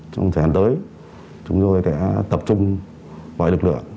trong thời hạn tới chúng tôi sẽ tập trung bởi lực lượng